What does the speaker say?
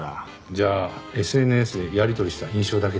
じゃあＳＮＳでやり取りした印象だけでいいから。